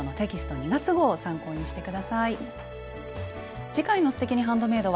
２月号を参考にして下さい。